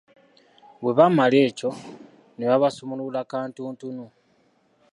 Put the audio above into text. Bwe baamala ekyo, ne babasumulula kantuntunu.